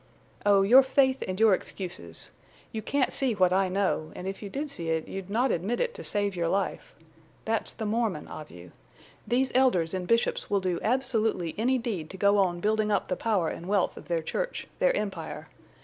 "Oh, your faith and your excuses! You can't see what I know—and if you did see it you'd not admit it to save your life. That's the Mormon of you. These elders and bishops will do absolutely any deed to go on building up the power and wealth of their church, their empire.